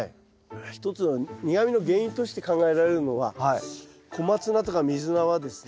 一つは苦みの原因として考えられるのはコマツナとかミズナはですね